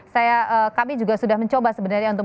saya kami juga sudah mencoba sebenarnya untuk